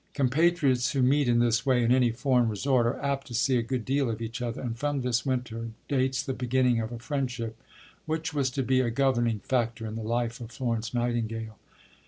Compatriots who meet in this way in any foreign resort are apt to see a good deal of each other, and from this winter dates the beginning of a friendship which was to be a governing factor in the life of Florence Nightingale.